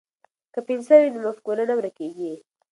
که پنسل وي نو مفکوره نه ورکیږي.